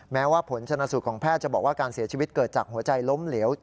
แม้ว่าผลชนะสูตรของแพทย์จะบอกว่าการเสียชีวิตเกิดจากหัวใจล้มเหลว